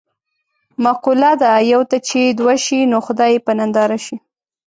مقوله ده: یوه ته چې دوه شي نو خدای یې په ننداره شي.